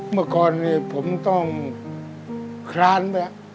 เมื่อก่อนนี้ผมต้องคลานไป